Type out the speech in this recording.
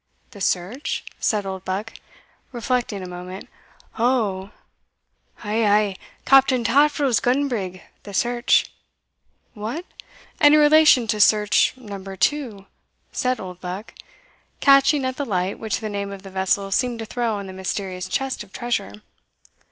"The Search?" said Oldbuck, reflecting a moment. "Oho!" "Ay, ay, Captain Taffril's gun brig, the Search." "What? any relation to Search, No. II.?" said Oldbuck, catching at the light which the name of the vessel seemed to throw on the mysterious chest of treasure.